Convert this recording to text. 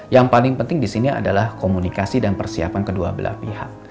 yang paling penting di sini adalah komunikasi dan persiapan kedua belah pihak